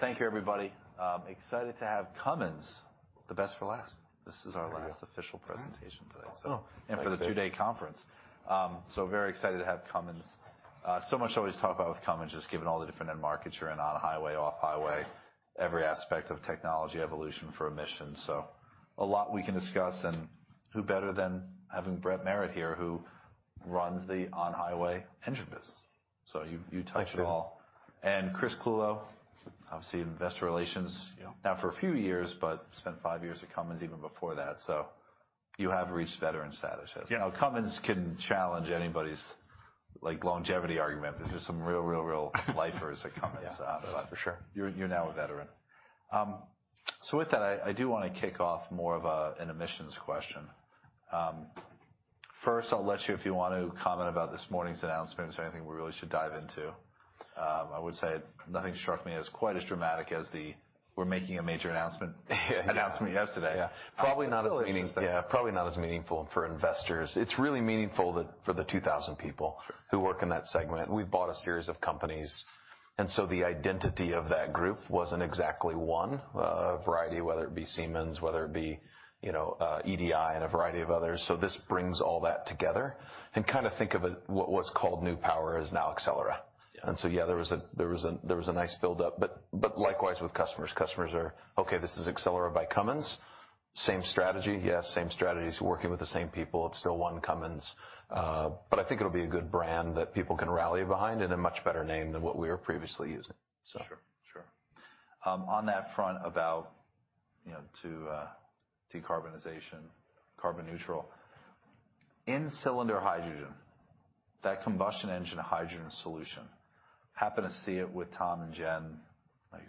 Thank you, everybody. I'm excited to have Cummins, the best for last. This is our last official presentation today. Thanks. For the two-day conference. Very excited to have Cummins. So much to always talk about with Cummins, just given all the different end markets you're in on highway, off highway, every aspect of technology evolution for emissions. A lot we can discuss. Who better than having Brett Merritt here, who runs the on-highway engine biz. You touch it all. Thank you. Chris Clulow, obviously investor relations now for a few years, but spent five years at Cummins even before that. You have reached veteran status. Cummins can challenge anybody's, like, longevity argument. There's some real, real lifers at Cummins. Yeah. For sure. You're now a veteran. With that, I do wanna kick off more of an emissions question. First I'll let you, if you want to, comment about this morning's announcements or anything we really should dive into. I would say nothing struck me as quite as dramatic as the we're making a major announcement yesterday. Probably not as meaningful for investors. It's really meaningful that for the 2,000 people who work in that segment. We've bought a series of companies, and so the identity of that group wasn't exactly one. A variety, whether it be Siemens, whether it be, you know, EDI and a variety of others. This brings all that together, and kinda think of it what was called New Power is now Accelera. Yeah. Yeah, there was a nice build-up. Likewise with customers. Customers are, "Okay, this is Accelera by Cummins." Same strategy? Yes, same strategy. It's working with the same people. It's still one Cummins. I think it'll be a good brand that people can rally behind and a much better name than what we were previously using. Sure, sure. On that front about, you know, to decarbonization, carbon neutral. In-cylinder hydrogen, that combustion engine hydrogen solution. Happen to see it with Tom and Jen, like,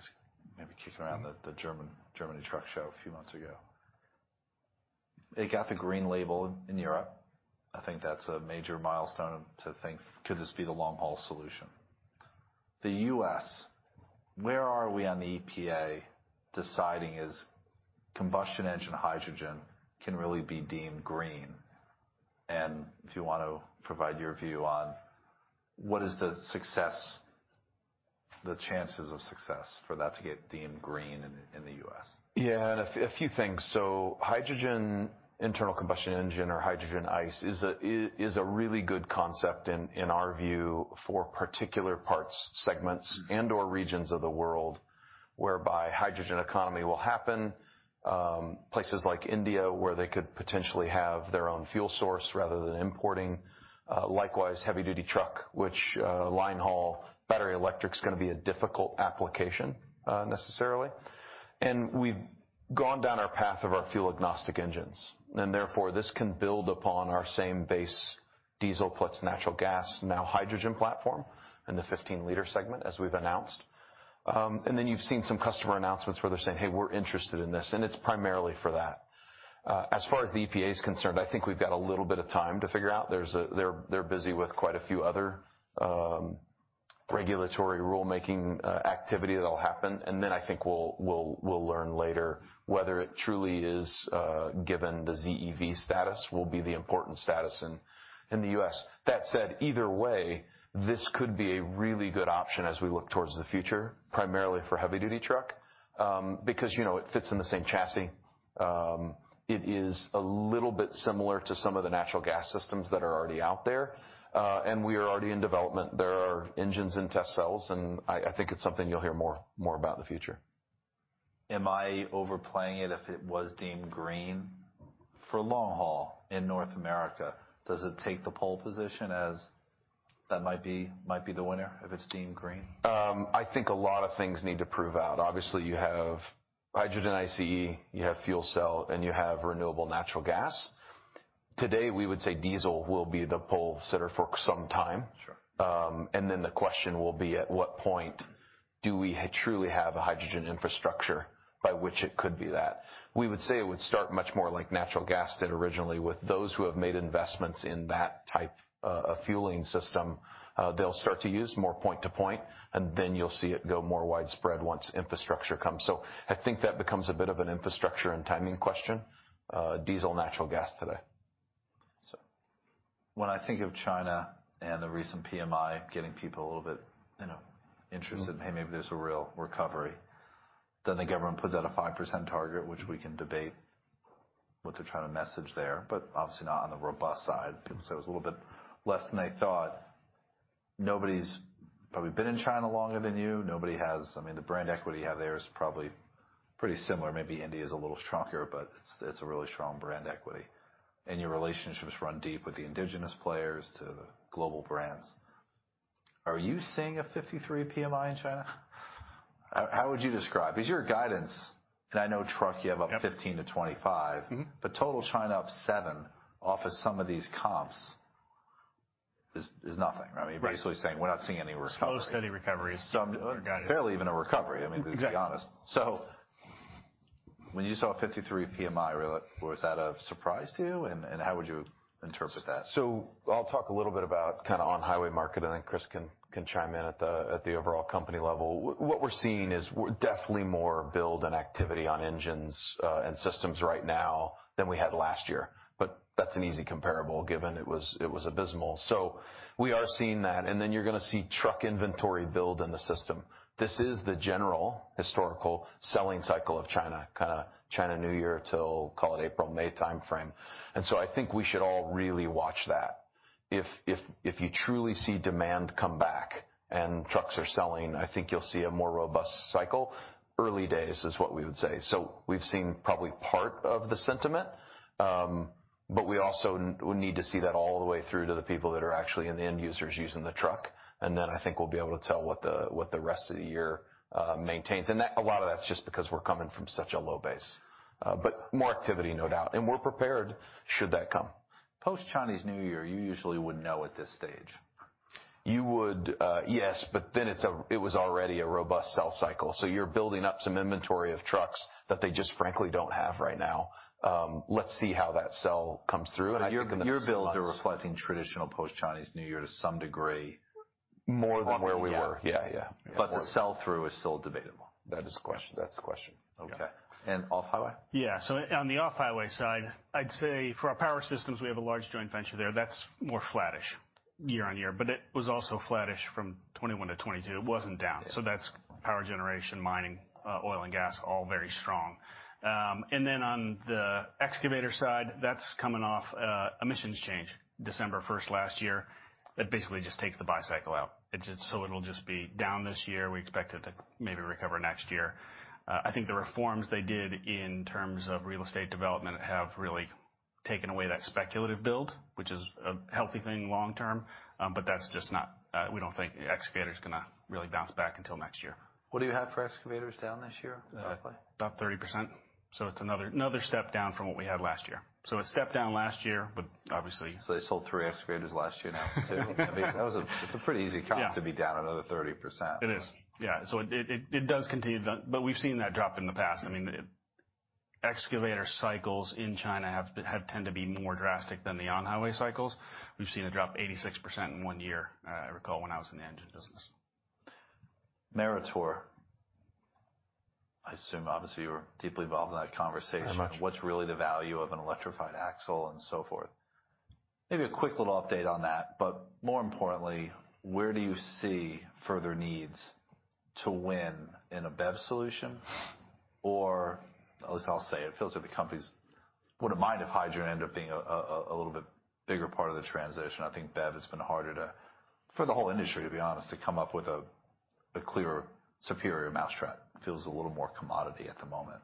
maybe kicking around the Germany truck show a few months ago. It got the green label in Europe. I think that's a major milestone to think, could this be the long-haul solution? The U.S., where are we on the EPA deciding is combustion engine hydrogen can really be deemed green? If you want to provide your view on what is the chances of success for that to get deemed green in the U.S.? Yeah, and a few things. Hydrogen Internal Combustion Engine or Hydrogen ICE is a really good concept in our view, for particular parts, segments and/or regions of the world whereby hydrogen economy will happen. Places like India where they could potentially have their own fuel source rather than importing, likewise heavy-duty truck, which line haul battery electric's gonna be a difficult application necessarily. We've gone down our path of our fuel-agnostic engines, and therefore this can build upon our same base diesel plus natural gas now hydrogen platform in the 15L segment, as we've announced. You've seen some customer announcements where they're saying, "Hey, we're interested in this." It's primarily for that. As far as the EPA is concerned, I think we've got a little bit of time to figure out. They're busy with quite a few other regulatory rulemaking activity that'll happen. I think we'll learn later whether it truly is given the ZEV status will be the important status in the U.S. That said, either way, this could be a really good option as we look towards the future, primarily for heavy-duty truck, because, you know, it fits in the same chassis. It is a little bit similar to some of the natural gas systems that are already out there. We are already in development. There are engines and test cells, and I think it's something you'll hear more about in the future. Am I overplaying it if it was deemed green for long haul in North America? Does it take the pole position as that might be the winner if it's deemed green? I think a lot of things need to prove out. Obviously you have Hydrogen ICE, you have fuel cell, and you have renewable natural gas. Today, we would say diesel will be the pole sitter for some time. Sure. The question will be, at what point do we truly have a hydrogen infrastructure by which it could be that? We would say it would start much more like natural gas did originally with those who have made investments in that type fueling system. They'll start to use more point to point, and then you'll see it go more widespread once infrastructure comes. I think that becomes a bit of an infrastructure and timing question. diesel, natural gas today. When I think of China and the recent PMI getting people a little bit, you know. Maybe there's a real recovery, the government puts out a 5% target, which we can debate what they're trying to message there, obviously not on the robust side. It was a little bit less than they thought. Nobody's probably been in China longer than you. Nobody has. I mean, the brand equity you have there is probably pretty similar. Maybe India is a little stronger, but it's a really strong brand equity. Your relationships run deep with the indigenous players to the global brands. Are you seeing a 53 PMI in China? How would you describe? Your guidance, and I know truck you have up 15-25. Total China up 7% off of some of these comps is nothing, right? Right. You're basically saying, "We're not seeing any recovery. Slow, steady recovery. Some- Got it. Barely even a recovery, I mean. Exactly. To be honest. When you saw a 53 PMI, was that of surprise to you, and how would you interpret that? I'll talk a little bit about kinda on-highway market, and then Chris can chime in at the overall company level. What we're seeing is definitely more build and activity on engines and systems right now than we had last year. That's an easy comparable given it was abysmal. We are seeing that, and then you're gonna see truck inventory build in the system. This is the general historical selling cycle of China, kinda Chinese New Year till, call it April, May timeframe. I think we should all really watch that. If you truly see demand come back and trucks are selling, I think you'll see a more robust cycle. Early days is what we would say. We've seen probably part of the sentiment, but we also need to see that all the way through to the people that are actually in the end users using the truck, and then I think we'll be able to tell what the rest of the year maintains. A lot of that's just because we're coming from such a low base. More activity, no doubt, and we're prepared should that come. Post-Chinese New Year, you usually would know at this stage. You would, yes, but then it was already a robust sell cycle. You're building up some inventory of trucks that they just frankly don't have right now. Let's see how that sell comes through. I think in a few months. Your builds are reflecting traditional post-Chinese New Year to some degree. More than where we were. Okay. Yeah. Yeah. Yeah. The sell-through is still debatable. That is the question. That's the question. Yeah. Okay. Off-highway? Yeah. on the off-highway side, I'd say for our power systems, we have a large joint venture there. That's more flattish year-over-year, but it was also flattish from 2021 to 2022. It wasn't down. Yeah. That's power generation, mining, oil and gas, all very strong. Then on the excavator side, that's coming off emissions change December first last year that basically just takes the buy cycle out. It'll just be down this year. We expect it to maybe recover next year. I think the reforms they did in terms of real estate development have really taken away that speculative build, which is a healthy thing long term, but that's just not. We don't think the excavator's gonna really bounce back until next year. What do you have for excavators down this year, roughly? About 30%. it's another step down from what we had last year. a step down last year, but obviously. They sold three excavators last year, now two. I mean, that was. It's a pretty easy comp to be down another 30%. It is. It does continue to do. We've seen that drop in the past. I mean, excavators cycles in China have tend to be more drastic than the on-highway cycles. We've seen it drop 86% in one year, I recall when I was in the engine business. Meritor. I assume obviously you were deeply involved in that conversation. Very much. What's really the value of an electrified axle and so forth? Maybe a quick little update on that, but more importantly, where do you see further needs to win in a BEV solution? At least I'll say it feels like the companies wouldn't mind if hydrogen ended up being a little bit bigger part of the transition. I think BEV has been harder for the whole industry, to be honest, to come up with a clear superior mousetrap. Feels a little more commodity at the moment.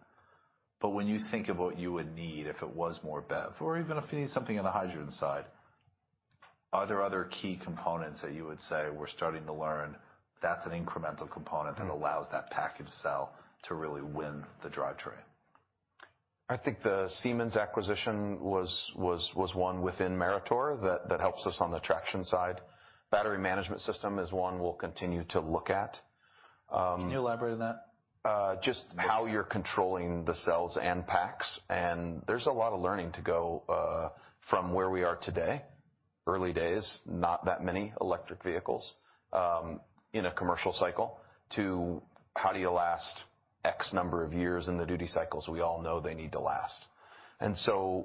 When you think of what you would need if it was more BEV, or even if you need something on the hydrogen side, are there other key components that you would say we're starting to learn that's an incremental component that allows that package sell to really win the drivetrain? I think the Siemens acquisition was one within Meritor that helps us on the traction side. battery management system is one we'll continue to look at. Can you elaborate on that? Just how you're controlling the cells and packs, there's a lot of learning to go from where we are today, early days, not that many electric vehicles, in a commercial cycle, to how do you last X number of years in the duty cycles we all know they need to last.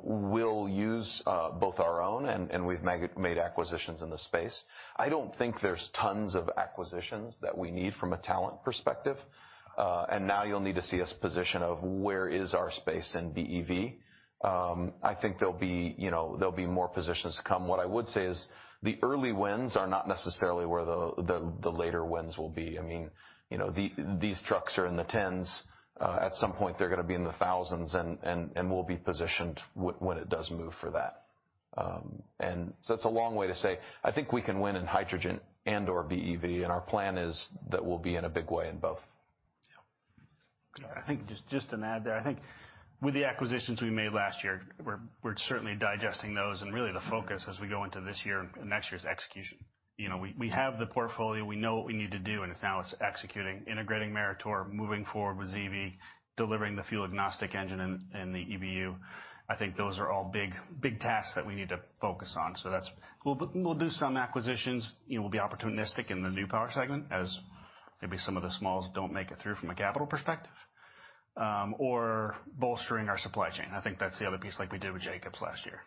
We'll use both our own and we've made acquisitions in the space. I don't think there's tons of acquisitions that we need from a talent perspective, and now you'll need to see us position of where is our space in BEV. I think there'll be, you know, there'll be more positions to come. What I would say is the early wins are not necessarily where the, the later wins will be. I mean, you know, these trucks are in the tens. At some point they're gonna be in the thousands and we'll be positioned when it does move for that. That's a long way to say I think we can win in hydrogen and/or BEV, and our plan is that we'll be in a big way in both. I think just to add there, I think with the acquisitions we made last year, we're certainly digesting those and really the focus as we go into this year and next year's execution. You know, we have the portfolio, we know what we need to do, and it's now executing, integrating Meritor, moving forward with ZEV, delivering the fuel-agnostic engine and the EBU. I think those are all big tasks that we need to focus on. That's. We'll do some acquisitions. You know, we'll be opportunistic in the New Power segment as maybe some of the smalls don't make it through from a capital perspective, or bolstering our supply chain. I think that's the other piece like we did with Jacobs last year.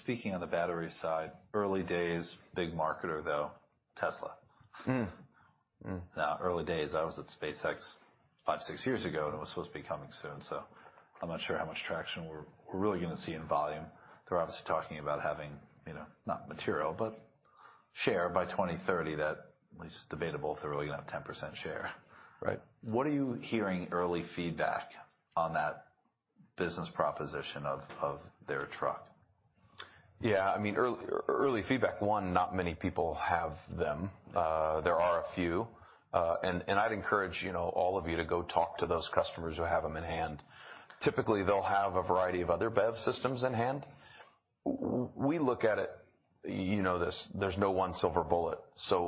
Speaking of the battery side, early days, big marketer though, Tesla. Early days, I was at SpaceX 5, 6 years ago, and it was supposed to be coming soon, so I'm not sure how much traction we're really gonna see in volume. They're obviously talking about having, you know, not material, but share by 2030 that at least debatable if they're really gonna have 10% share. Right. What are you hearing early feedback on that business proposition of their truck? Yeah, I mean, early feedback, one, not many people have them. There are a few. And I'd encourage, you know, all of you to go talk to those customers who have them in hand. Typically, they'll have a variety of other BEV systems in hand. We look at it, you know this, there's no one silver bullet.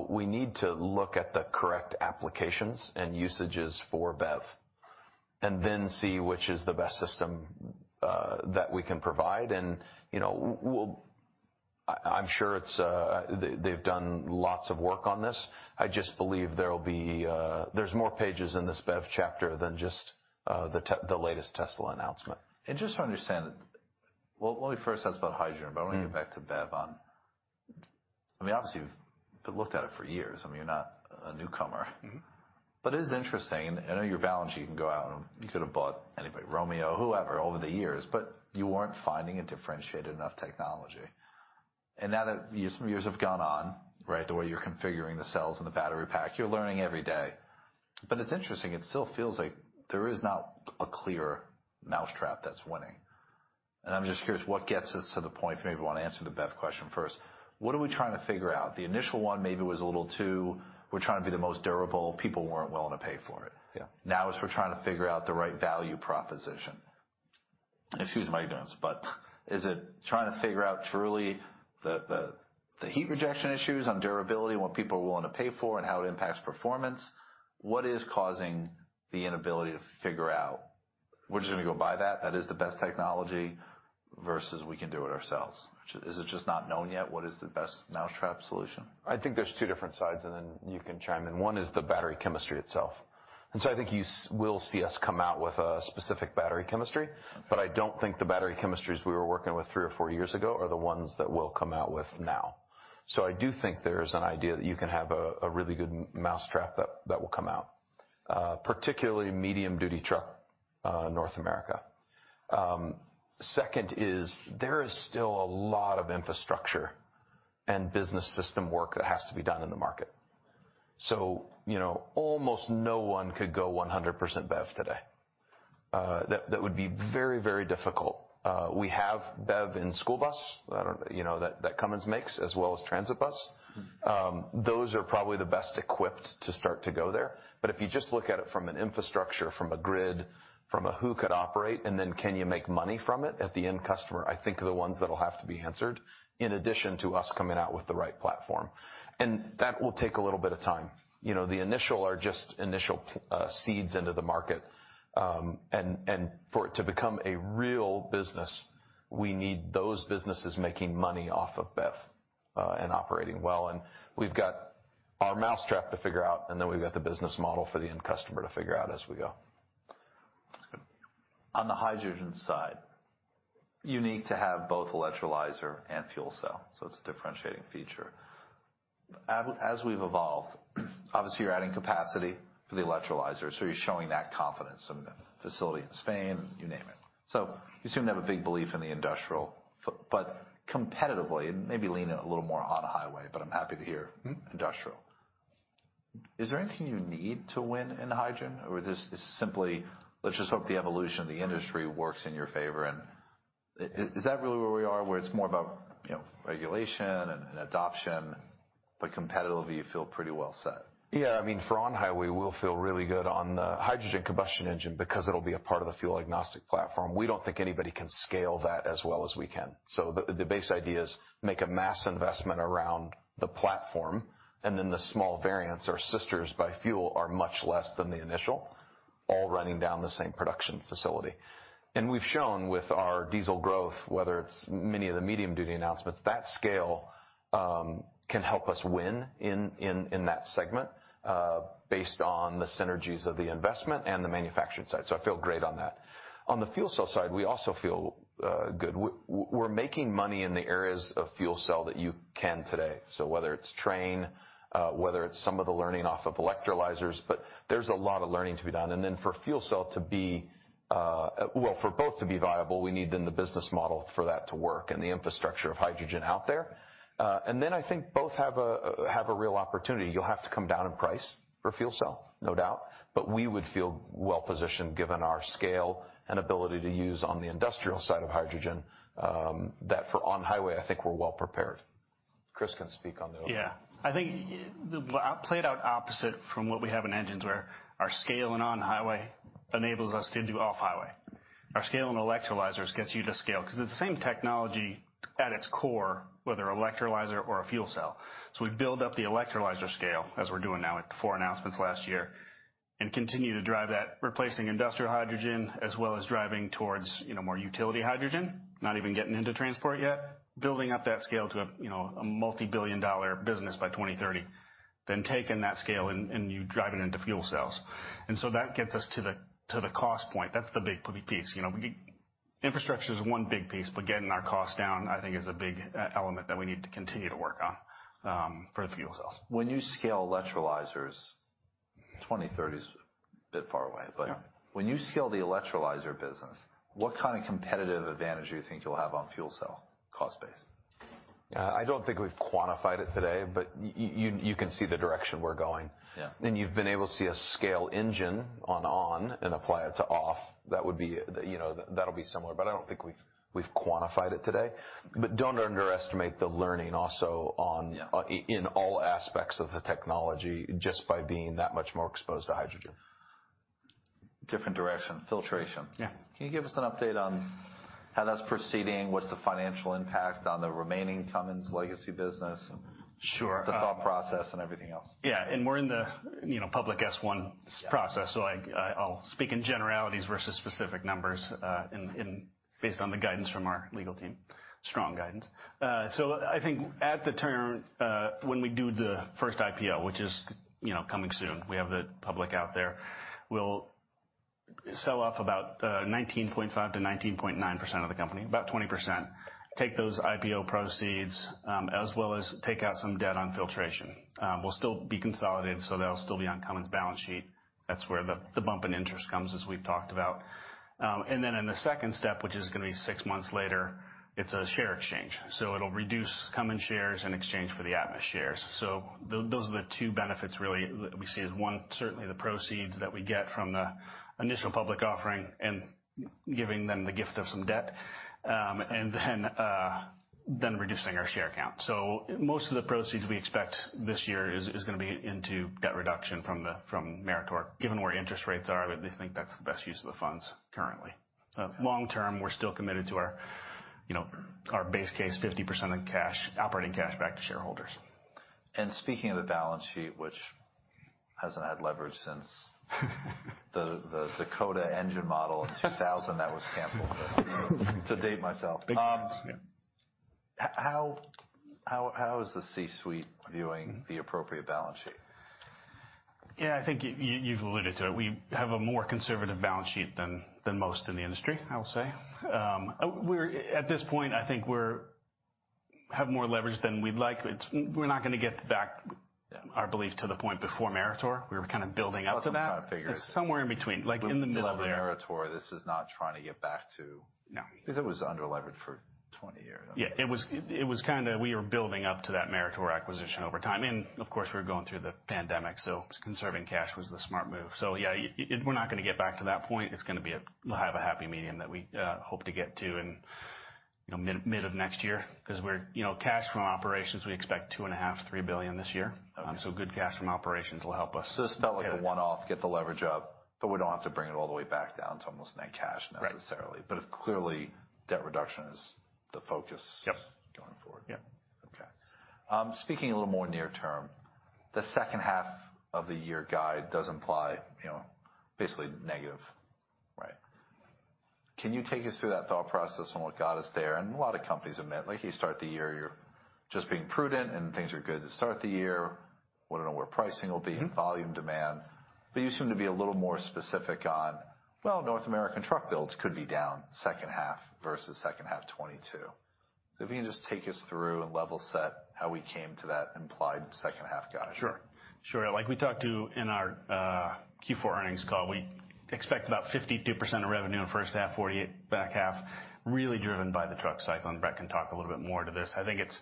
We need to look at the correct applications and usages for BEV and then see which is the best system that we can provide. You know, we'll I'm sure it's they've done lots of work on this. I just believe there will be there's more pages in this BEV chapter than just the latest Tesla announcement. Just to understand, well, let me first ask about hydrogen, but I want to get back to BEV. I mean, obviously, you've looked at it for years. I mean, you're not a newcomer. It is interesting, and I know your balance sheet can go out, and you could have bought anybody, Romeo, whoever, over the years, but you weren't finding a differentiated enough technology. Now that some years have gone on, right, the way you're configuring the cells in the battery pack, you're learning every day. It's interesting, it still feels like there is not a clear mousetrap that's winning. I'm just curious what gets us to the point, maybe you wanna answer the BEV question first. What are we trying to figure out? The initial one maybe was a little too, we're trying to be the most durable. People weren't willing to pay for it. Yeah. Now we're trying to figure out the right value proposition. Excuse my ignorance, but is it trying to figure out truly the heat rejection issues on durability and what people are willing to pay for and how it impacts performance? What is causing the inability to figure out, we're just gonna go buy that is the best technology, versus we can do it ourselves? Is it just not known yet, what is the best mousetrap solution? I think there's two different sides, and then you can chime in. One is the battery chemistry itself. I think you will see us come out with a specific battery chemistry, but I don't think the battery chemistries we were working with three or four years ago are the ones that we'll come out with now. I do think there's an idea that you can have a really good mousetrap that will come out, particularly medium duty truck, North America. Second is there is still a lot of infrastructure and business system work that has to be done in the market. You know, almost no one could go 100% BEV today. That would be very, very difficult. We have BEV in school bus. That Cummins makes, as well as transit bus. Those are probably the best equipped to start to go there. If you just look at it from an infrastructure, from a grid, from a who could operate, and then can you make money from it at the end customer, I think are the ones that'll have to be answered in addition to us coming out with the right platform. That will take a little bit of time. You know, the initial are just initial seeds into the market. For it to become a real business, we need those businesses making money off of BEV and operating well. We've got our mousetrap to figure out, and then we've got the business model for the end customer to figure out as we go. On the hydrogen side, you need to have both electrolyzer and fuel cell, so it's a differentiating feature. As we've evolved, obviously, you're adding capacity for the electrolyzer, so you're showing that confidence in the facility in Spain, you name it. You seem to have a big belief in the industrial but competitively, maybe lean a little more on highway, but I'm happy to hear. Industrial. Is there anything you need to win in hydrogen or this is simply let's just hope the evolution of the industry works in your favor? Is that really where we are, where it's more about, you know, regulation and adoption, but competitively you feel pretty well set? Yeah. I mean, for on highway, we'll feel really good on the hydrogen combustion engine because it'll be a part of the fuel-agnostic platform. We don't think anybody can scale that as well as we can. The, the base idea is make a mass investment around the platform, and then the small variants or sisters by fuel are much less than the initial, all running down the same production facility. We've shown with our diesel growth, whether it's many of the medium duty announcements, that scale can help us win in that segment based on the synergies of the investment and the manufacturing side. I feel great on that. On the fuel cell side, we also feel good. We're making money in the areas of fuel cell that you can today. Whether it's train, whether it's some of the learning off of electrolyzers, but there's a lot of learning to be done. For fuel cell to be, well, for both to be viable, we need then the business model for that to work and the infrastructure of hydrogen out there. I think both have a, have a real opportunity. You'll have to come down in price for fuel cell, no doubt, but we would feel well-positioned given our scale and ability to use on the industrial side of hydrogen, that for on highway, I think we're well prepared. Chris can speak on those. Yeah. I think played out opposite from what we have in engines where our scale and on highway enables us to do off highway. Our scale and electrolyzers gets you to scale because it's the same technology at its core, whether electrolyzer or a fuel cell. We build up the electrolyzer scale as we're doing now with the four announcements last year and continue to drive that, replacing industrial hydrogen as well as driving towards, you know, more utility hydrogen, not even getting into transport yet. Building up that scale to a, you know, a multi-billion dollar business by 2030, then taking that scale and you drive it into fuel cells. That gets us to the cost point. That's the big piece. You know, infrastructure is one big piece, but getting our cost down, I think is a big element that we need to continue to work on, for the fuel cells. When you scale electrolyzers, 2030 is a bit far away. When you scale the electrolyzer business, what kind of competitive advantage do you think you'll have on fuel cell cost base? I don't think we've quantified it today, but you can see the direction we're going. You've been able to see a scale engine on and apply it to off. That would be, you know, that'll be similar, but I don't think we've quantified it today. Don't underestimate the learning also. In all aspects of the technology just by being that much more exposed to hydrogen. Different direction, filtration. Yeah. Can you give us an update on how that's proceeding? What's the financial impact on the remaining Cummins legacy business? Sure. The thought process and everything else? Yeah. We're in the, you know, public S-1 process. I'll speak in generalities versus specific numbers, based on the guidance from our legal team, strong guidance. I think at the turn, when we do the first IPO, which is, you know, coming soon, we have the public out there. We'll sell off about 19.5%-19.9% of the company, about 20%. Take those IPO proceeds, as well as take out some debt on filtration. We'll still be consolidated, so that'll still be on Cummins' balance sheet. That's where the bump in interest comes, as we've talked about. In the second step, which is gonna be six months later, it's a share exchange. It'll reduce Cummins shares in exchange for the Atmus shares. Those are the two benefits really that we see. One, certainly the proceeds that we get from the initial public offering and giving them the gift of some debt, and then reducing our share count. Most of the proceeds we expect this year is gonna be into debt reduction from Meritor. Given where interest rates are, we think that's the best use of the funds currently. Long term, we're still committed to our, you know, our base case, 50% of cash, operating cash back to shareholders. Speaking of the balance sheet, which hasn't had leverage since the Dakota engine model in 2000 that was canceled. To date myself. Big time, yeah. How is the C-suite viewing the appropriate balance sheet? I think you've alluded to it. We have a more conservative balance sheet than most in the industry, I will say. At this point, I think we have more leverage than we'd like. We're not gonna get back, our belief, to the point before Meritor. We were kind of building up to that. Some kind of figures. It's somewhere in between, like in the middle there. With Meritor, this is not trying to get back to- No. It was underleveraged for 20 years. Yeah, it was kinda we were building up to that Meritor acquisition over time. Of course, we were going through the pandemic, so conserving cash was the smart move. Yeah, we're not gonna get back to that point. It's gonna have a happy medium that we hope to get to in, you know, mid of next year 'cause we're... You know, cash from operations, we expect $2.5 billion-$3 billion this year. Good cash from operations will help us. It's not like a one-off, get the leverage up, but we don't have to bring it all the way back down to almost net cash, necessarily. Right. Clearly, debt reduction is the focus going forward. Yep. Okay. Speaking a little more near term, the second half of the year guide does imply, you know, basically negative. Right. Can you take us through that thought process and what got us there? A lot of companies admit, like you start the year, you're just being prudent and things are good to start the year. Wanna know where pricing will be, volume demand. You seem to be a little more specific on, well, North American truck builds could be down second half versus second half 2022. If you can just take us through and level set how we came to that implied second half guide. Sure. Sure. Like we talked to in our Q4 earnings call, we expect about 52% of revenue in first half, 48% back half, really driven by the truck cycle. Brett can talk a little bit more to this. I think it's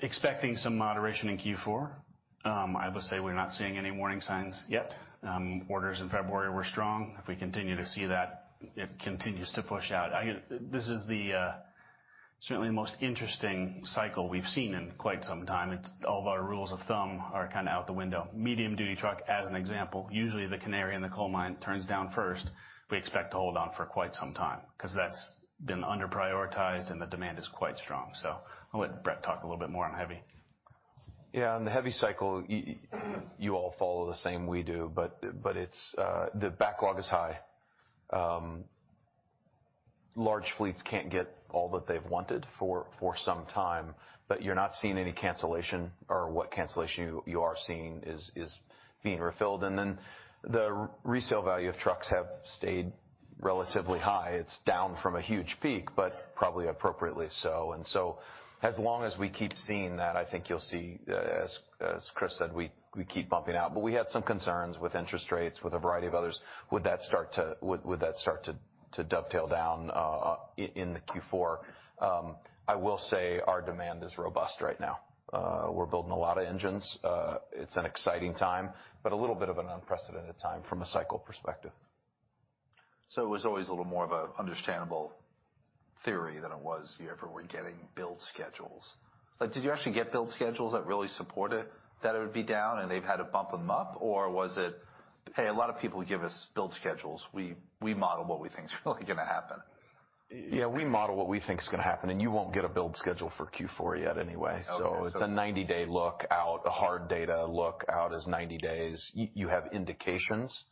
expecting some moderation in Q4. I will say we're not seeing any warning signs yet. Orders in February were strong. If we continue to see that, it continues to push out. This is the certainly the most interesting cycle we've seen in quite some time. It's all of our rules of thumb are kinda out the window. Medium duty truck, as an example, usually the canary in the coal mine, turns down first. We expect to hold on for quite some time 'cause that's been underprioritized and the demand is quite strong. I'll let Brett talk a little bit more on heavy. Yeah. On the heavy cycle, you all follow the same we do, but it's the backlog is high. Large fleets can't get all that they've wanted for some time, but you're not seeing any cancellation. What cancellation you are seeing is being refilled. The resale value of trucks have stayed relatively high. It's down from a huge peak, but probably appropriately so. As long as we keep seeing that, I think you'll see, as Chris said, we keep bumping out. We had some concerns with interest rates, with a variety of others. Would that start to dovetail down in the Q4? I will say our demand is robust right now. We're building a lot of engines. It's an exciting time, but a little bit of an unprecedented time from a cycle perspective. It was always a little more of a understandable theory than it was you ever were getting build schedules. Like, did you actually get build schedules that really supported that it would be down and they've had to bump them up? Or was it, "Hey, a lot of people give us build schedules. We, we model what we think is really gonna happen? Yeah. We model what we think is gonna happen, and you won't get a build schedule for Q4 yet anyway. Okay. It's a 90-day look out. The hard data look out is 90 days. You have indications.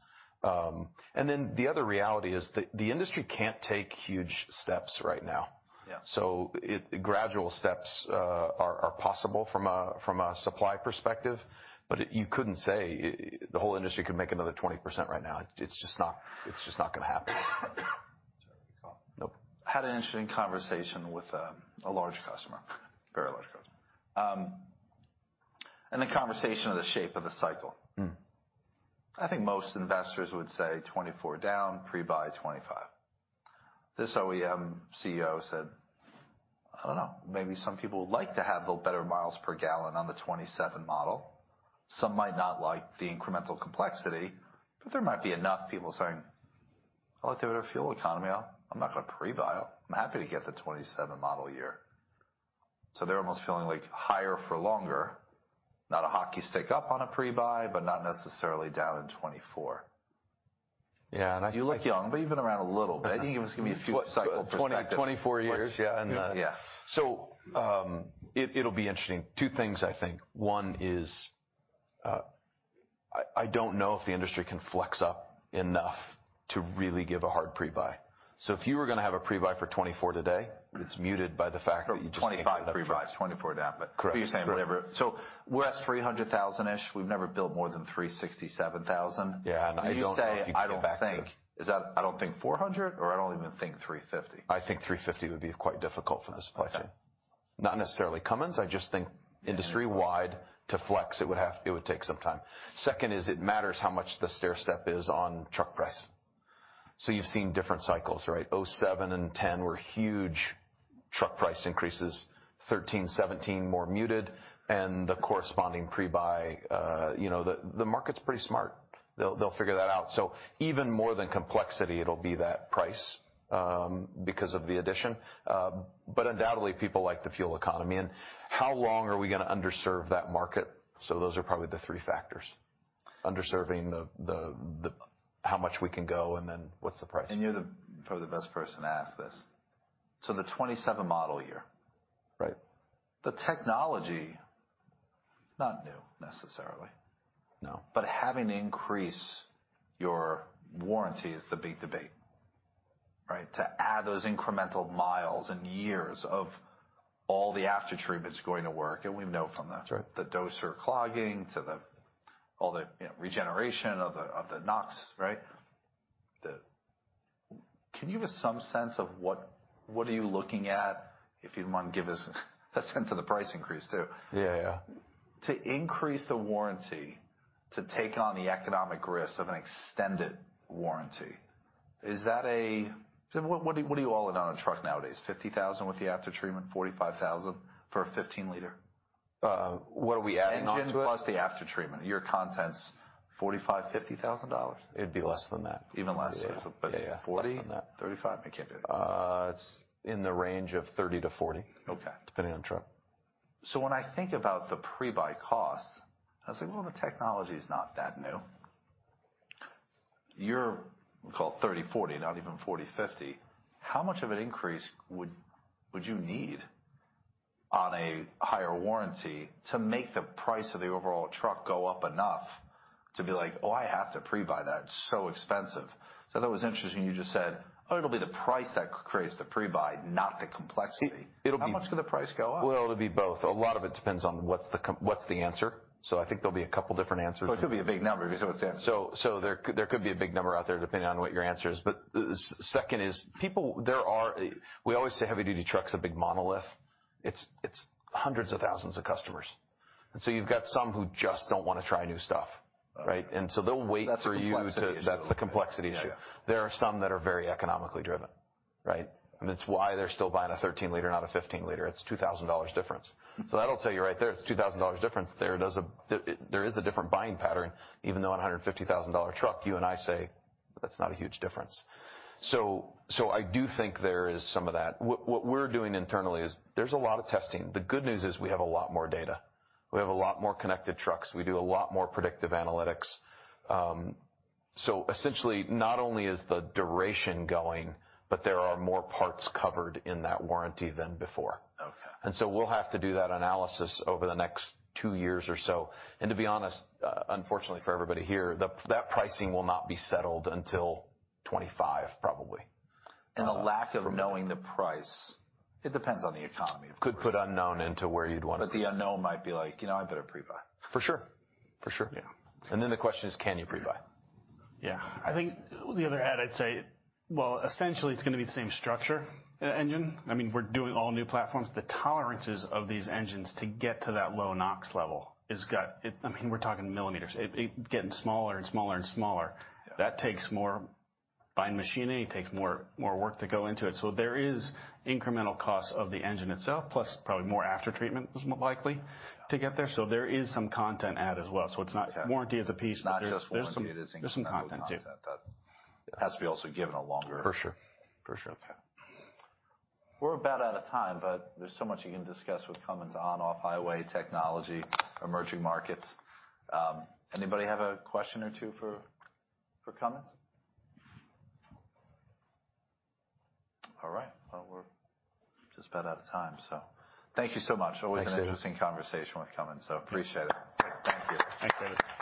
The other reality is the industry can't take huge steps right now. Yeah. Gradual steps are possible from a, from a supply perspective, but you couldn't say the whole industry could make another 20% right now. It's just not gonna happen. Sorry. Nope. Had an interesting conversation with, a large customer, very large customer, and the conversation of the shape of the cycle.I think most investors would say 2024 down, pre-buy 2025. This OEM CEO said, "I don't know. Maybe some people would like to have the better miles per gallon on the 2027 model. Some might not like the incremental complexity, but there might be enough people saying, 'I like the better fuel economy. I'm not gonna pre-buy them. I'm happy to get the 2027 model year.'" They're almost feeling like higher for longer, not a hockey stick up on a pre-buy, but not necessarily down in 2024. Yeah. You look young, but you've been around a little bit. I think it was gonna be a few cycle perspectives. 20, 24 years. Yeah. Yeah. It'll be interesting. Two things I think. One is, I don't know if the industry can flex up enough to really give a hard pre-buy. If you were gonna have a pre-buy for 2024 today, it's muted by the fact that you just- 2025 pre-buy, 2024 down. Correct. You're saying whatever. We're at 300,000-ish. We've never built more than 367,000. Yeah, I don't know if you get back to... You say, "I don't think." Is that I don't think 400, or I don't even think 350? I think 350 would be quite difficult for this platform. Okay. Not necessarily Cummins. I just think industry-wide, to flex it would take some time. Second is it matters how much the stairstep is on truck price. You've seen different cycles, right? 2007 and 2010 were huge truck price increases. 2013, 2017, more muted, and the corresponding pre-buy, you know, the market's pretty smart. They'll figure that out. Even more than complexity, it'll be that price, because of the addition. But undoubtedly people like the fuel economy and how long are we gonna underserve that market? Those are probably the three factors. Underserving the how much we can go and then what's the price. You're the, probably the best person to ask this. The 2027 model year. Right. The technology, not new necessarily. No. Having to increase your warranty is the big debate, right? To add those incremental miles and years of all the aftertreatment's going to work, and we know from that. That's right. The doser clogging to the, all the, you know, regeneration of the, of the NOx, right? Can you give us some sense of what are you looking at, if you mind give us a sense of the price increase too? Yeah. To increase the warranty to take on the economic risk of an extended warranty, is that. What are you all in on a truck nowadays? $50,000 with the aftertreatment, $45,000 for a 15-liter? What are we adding on to it? Engine plus the aftertreatment. Your content's $45,000-$50,000? It'd be less than that. Even less. Yeah, yeah. it's about $40? Less than that. 35? I can't do it. It's in the range of 30 to 40. Okay. Depending on the truck. When I think about the pre-buy cost, I was like, "Well, the technology is not that new." We'll call it 30, 40, not even 40, 50. How much of an increase would you need on a higher warranty to make the price of the overall truck go up enough to be like, "Oh, I have to pre-buy that. It's so expensive." That was interesting you just said, "Oh, it'll be the price that creates the pre-buy, not the complexity. It'll be- How much could the price go up? Well, it'll be both. A lot of it depends on what's the answer. I think there'll be a couple different answers. It could be a big number, you said what's the answer? There could be a big number out there depending on what your answer is. Second is people. We always say heavy duty truck's a big monolith. It's hundreds of thousands of customers. You've got some who just don't wanna try new stuff, right? They'll wait for you to. That's the complexity issue. That's the complexity issue. Yeah. There are some that are very economically driven, right? It's why they're still buying a 13-liter, not a 15-liter. It's $2,000 difference. That'll tell you right there, it's $2,000 difference, there is a different buying pattern, even though on a $150,000 truck, you and I say that's not a huge difference. I do think there is some of that. What we're doing internally is there's a lot of testing. The good news is we have a lot more data. We have a lot more connected trucks. We do a lot more predictive analytics. Essentially not only is the duration going, but there are more parts covered in that warranty than before. Okay. We'll have to do that analysis over the next two years or so. To be honest, unfortunately for everybody here, that pricing will not be settled until 2025, probably. The lack of knowing the price, it depends on the economy, of course. Could put unknown into where you'd wanna be. The unknown might be like, "You know, I better pre-buy. For sure. For sure. Yeah. The question is, can you pre-buy? I think the other ad I'd say, well, essentially it's gonna be the same structure engine. I mean, we're doing all new platforms. The tolerances of these engines to get to that low NOx level has got. I mean, we're talking millimeters. It getting smaller and smaller and smaller. Yeah. That takes more buying machinery, takes more work to go into it. There is incremental costs of the engine itself, plus probably more aftertreatment most likely to get there. There is some content add as well. Okay. it's not warranty as a piece, but... It's not just warranty, it is incremental content that... There's some content too. ...has to be also given a longer- For sure. For sure. Okay. We're about out of time. There's so much you can discuss with Cummins on off-highway technology, emerging markets. Anybody have a question or two for Cummins? All right. We're just about out of time. Thank you so much. Thanks, David. Always an interesting conversation with Cummins, so appreciate it. Thank you. Thanks, David.